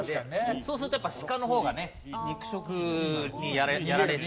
そうするとやっぱシカの方がね肉食にやられる。